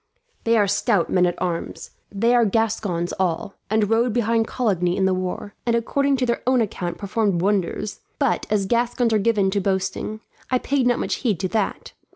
"They are stout men at arms. They are Gascons all, and rode behind Coligny in the war, and according to their own account performed wonders; but as Gascons are given to boasting, I paid not much heed to that.